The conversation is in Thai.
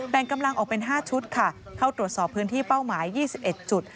แปลงกำลังออกเป็นห้าชุดค่ะเข้าตรวจสอบพื้นที่เป้าหมายยี่สิบเอ็ดจุด